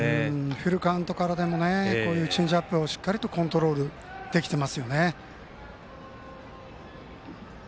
フルカウントからでもチェンジアップをしっかりとコントロールできてますよね。